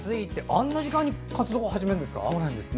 あんな時間に活動を始めるんですか？